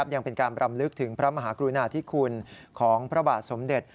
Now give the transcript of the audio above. ยังเป็นการรำลึกถึงพระมหากรุณาธิคุณของพระบาทสมเด็จ